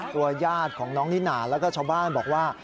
ญาติของน้องนิน่าแล้วก็ชาวบ้านบอกว่า